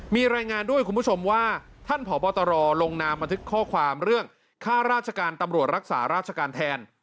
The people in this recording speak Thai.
มีรายงานด้วยคุณผู้ชมว่าท่านผอบตรลงนามบันทึกข้อความเรื่องค่าราชการตำรวจรักษาราชการแทน